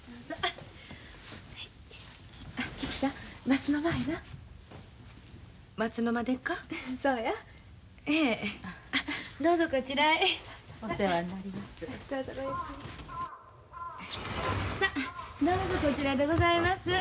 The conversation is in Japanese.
さあどうぞこちらでございます。